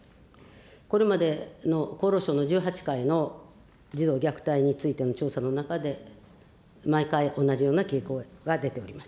これまでの厚労省の１８回の児童虐待についての調査の中で、毎回、同じような傾向が出ております。